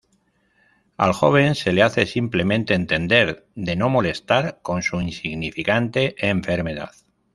Al joven se le hace simplemente entender de no molestar con su insignificante enfermedad.